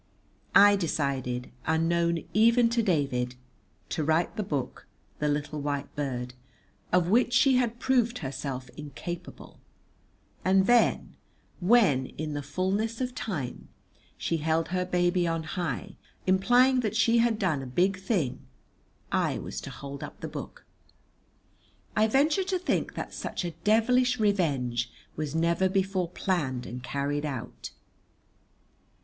I decided, unknown even to David, to write the book "The Little White Bird," of which she had proved herself incapable, and then when, in the fulness of time, she held her baby on high, implying that she had done a big thing, I was to hold up the book. I venture to think that such a devilish revenge was never before planned and carried out.